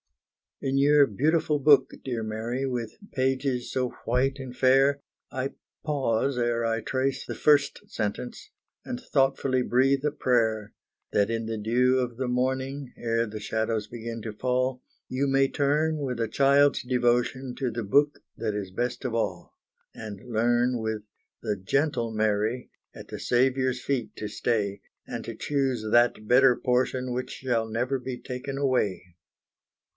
In your beautiful book, dear Mary, With pages so white and fair, I pause ere I trace the first sentence, And thoughtfully breathe a prayer: That in the dew of the morning, Ere the shadows begin to fall, You may turn with a child's devotion To the Book that is best of all: And learn with the gentle Mary, At the Saviour's feet to stay, And to choose that better portion Which shall never be taken away.